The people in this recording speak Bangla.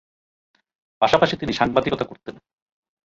পাশাপাশি তিনি সাংবাদিকতা করতেন।